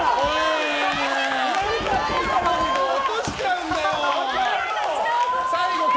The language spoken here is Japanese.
落としちゃうんだよ。